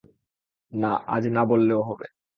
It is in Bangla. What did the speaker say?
না, আজ না-বললেও হবে।